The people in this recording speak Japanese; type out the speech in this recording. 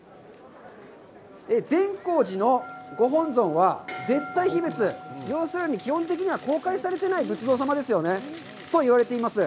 善光寺の御本尊は、絶対秘仏、要するに基本的には公開されていない仏像と言われています。